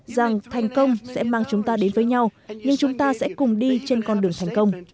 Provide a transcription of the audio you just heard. rằng thành công sẽ mang chúng ta đến với nhau nhưng chúng ta sẽ cùng đi trên con đường thành công